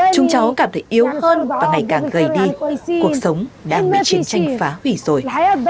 chúng cháu cảm thấy yếu hơn và ngày càng gầy đi cuộc sống đang bị chiến tranh phá hủy rồi